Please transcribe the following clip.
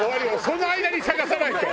その間に捜さないと。